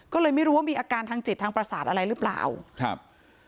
ก็เลยไม่รู้ว่ามีอาการทางจิตทางประสาทอะไรหรือเปล่าครับ